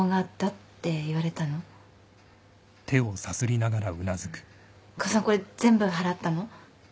うん母さんこれ全部払ったの？